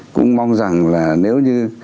cũng mong rằng là nếu như